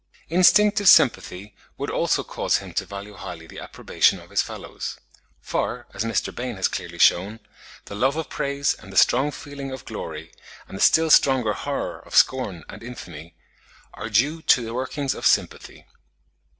Instinctive sympathy would also cause him to value highly the approbation of his fellows; for, as Mr. Bain has clearly shewn (24. 'Mental and Moral Science,' 1868, p. 254.), the love of praise and the strong feeling of glory, and the still stronger horror of scorn and infamy, "are due to the workings of sympathy."